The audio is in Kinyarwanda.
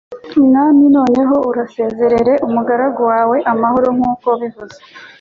Mwami, noneho urasezerere umugaragu wawe amahoro, nk'uko wabivuze: